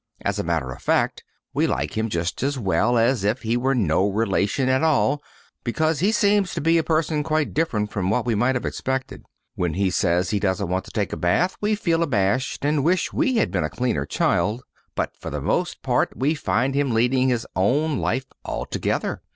As a matter of fact, we like him just as well as if he were no relation at all, because he seems to be a person quite different from what we might have expected. When he says he doesn't want to take a bath we feel abashed and wish we had been a cleaner child, but for the most part we find him leading his own life altogether.